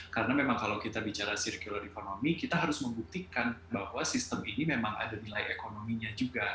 karena memang kalau kita bicara circular economy kita harus membuktikan bahwa sistem ini memang ada nilai ekonominya juga